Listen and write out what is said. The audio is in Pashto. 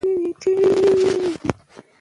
لومړی عمر ته ورغی، هغه ورته وویل: